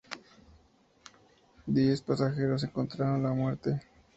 Diez pasajeros encontraron la muerte.